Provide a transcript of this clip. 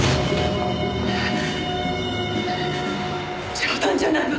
冗談じゃないわ。